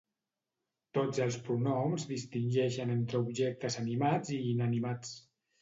Tots els pronoms distingeixen entre objectes animats i inanimats.